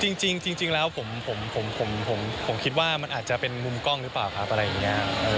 หรือน้อยไหมคุณจะดูว่าแล้วจมูกมันเที่ยวมันไม่ได้ตรงน้อยหรือเปล่า